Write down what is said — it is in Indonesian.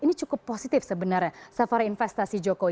ini cukup positif sebenarnya safari investasi jokowi